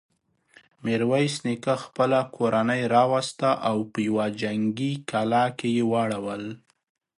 ميرويس نيکه خپله کورنۍ راوسته او په يوه جنګي کلا کې يې واړول.